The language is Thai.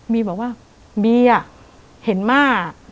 บีบอกว่าบีอ่ะเห็นมา